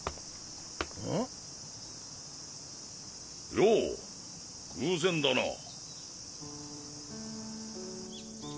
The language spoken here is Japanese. よぉ偶然だなぁ。